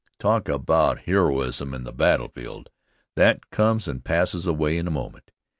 Talk about heroism in the battlefield! That comes and passes away in a moment.